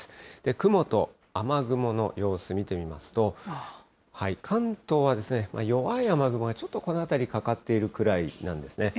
雲と雨雲の様子見てみますと、関東は弱い雨雲がちょっとこの辺り、かかっているくらいなんですね。